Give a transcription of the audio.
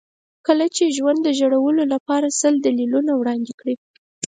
کله چې ژوند د ژړلو لپاره سل دلیلونه وړاندې کړي.